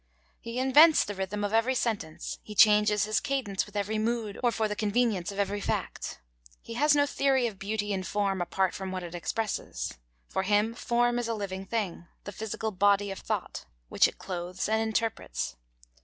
He invents the rhythm of every sentence, he changes his cadence with every mood or for the convenience of every fact. He has no theory of beauty in form apart from what it expresses. For him form is a living thing, the physical body of thought, which it clothes and interprets.